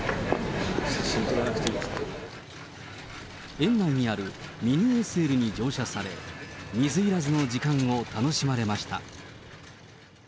園内にあるミニＳＬに乗車され、水入らずの時間を楽しまれました。